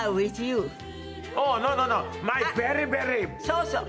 そうそう！